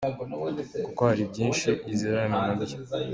Kuko hari byinshi izirana na byo, .